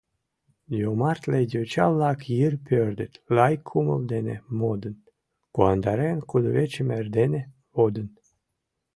Йомартле йоча-влак йыр пӧрдыт, Лай кумыл дене модын, Куандарен кудывечым эрдене, водын.